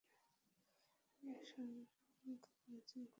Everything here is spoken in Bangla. তিনি আশঙ্কা করছেন, গুলশান হামলার মতো ঘটনা বাংলাদেশে ভবিষ্যতে আরও ঘটতে পারে।